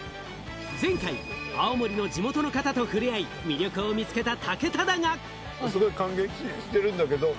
前回、青森の地元の方とふれあい、魅力を見つけた武田だが。